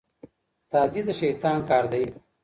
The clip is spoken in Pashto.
تادي د شيطان کار دی.